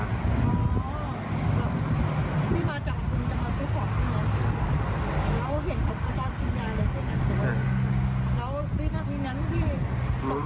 หมายแรง